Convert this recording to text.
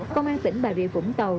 công an tỉnh bà rịa vũng tàu